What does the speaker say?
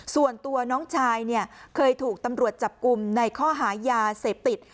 ส่วนตัวน้องชายเนี่ยเคยถูกตำรวจจับกลุ่มในข้อหายาเสพติด